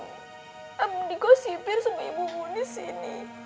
abang dikosipir sama ibu muni sini